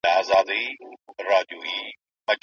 څوک د کلتوري تبادلې پروګرامونه تمویلوي؟